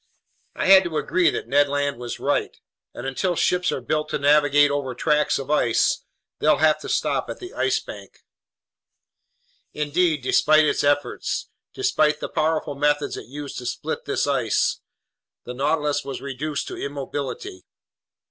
I had to agree that Ned Land was right, and until ships are built to navigate over tracts of ice, they'll have to stop at the Ice Bank. Indeed, despite its efforts, despite the powerful methods it used to split this ice, the Nautilus was reduced to immobility.